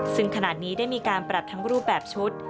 ซึ่งขณะนี้ได้มีการปรับทั้งรูปแบบชุด